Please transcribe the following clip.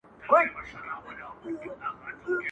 • که هر څو خلګ ږغېږي چي بدرنګ یم.